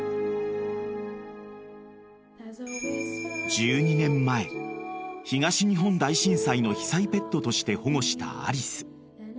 ［１２年前東日本大震災の被災ペットとして保護したアリス］